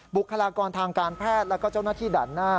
บุคลากรทางการแพทย์แล้วก็เจ้าหน้าที่ด่านหน้า